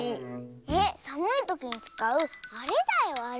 えっさむいときにつかうあれだよあれ。